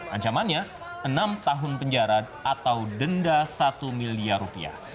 ancamannya enam tahun penjara atau denda satu miliar rupiah